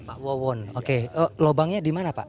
pak wawon oke lubangnya di mana pak